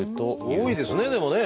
多いですねでもね。